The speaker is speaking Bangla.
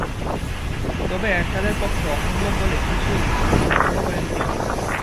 তবে এরশাদের পক্ষে অসম্ভব বলে কিছু নেই বলে মন্তব্য করেন তিনি।